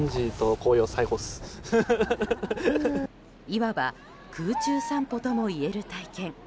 いわば空中散歩ともいえる体験。